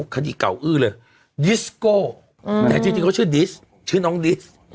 คดีเก่าอื้อเลยดิสโก้แต่จริงเขาชื่อดิสชื่อน้องดิส